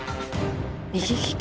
右利き？